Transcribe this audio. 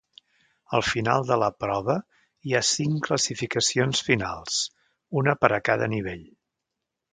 Al final de la prova hi ha cinc classificacions finals, una per a cada nivell.